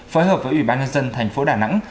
phối hợp với ủy ban nhân dân thành phố đà nẵng